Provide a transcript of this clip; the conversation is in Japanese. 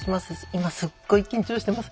今すっごい緊張してます。